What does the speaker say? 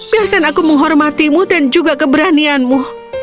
biarkan aku menghormatimu dan juga keberanianmu